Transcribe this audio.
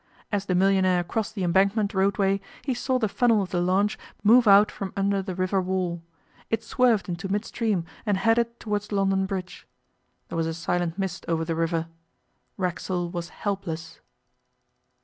As the millionaire crossed the Embankment roadway he saw the funnel of the launch move out from under the river wall. It swerved into midstream and headed towards London Bridge. There was a silent mist over the river. Racksole was helpless....